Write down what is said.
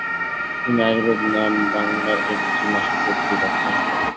তিনি "আয়ুর্বেদ" নামে বাংলায় একটি মাসিক পত্রিকা প্রকাশ করেন।